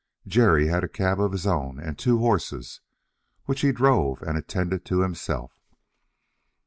Jerry had a cab of his own, and two horses, which he drove and attended to himself.